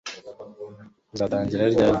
uzatangira ryari